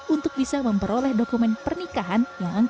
untuk bisa memperoleh pernikahan